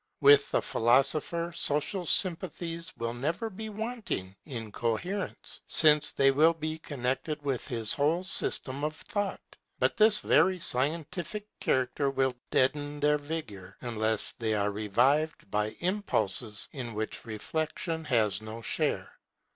With the philosopher social sympathies will never be wanting in coherence, since they will be connected with his whole system of thought; but this very scientific character will deaden their vigour, unless they are revived by impulses in which reflection has no share.